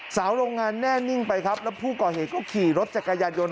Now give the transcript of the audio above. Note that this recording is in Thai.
โรงงานแน่นิ่งไปครับแล้วผู้ก่อเหตุก็ขี่รถจักรยานยนต